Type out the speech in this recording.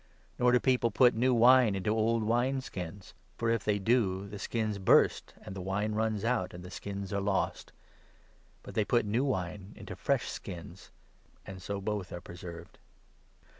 Nor do people put new wine into old wine 17 skins ; for, if they do, the skins burst, and the wine runs out, and the skins are lost ; but they put new wine into fresh skins, and so both are preserved."